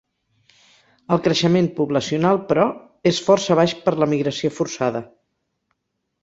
El creixement poblacional, però, és força baix per l'emigració forçada.